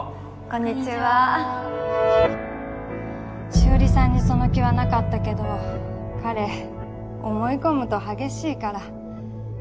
こん紫織さんにその気はなかったけど彼思い込むと激しいから。